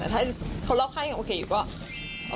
ถ้าคนรอบที่อ่ะโอเคก็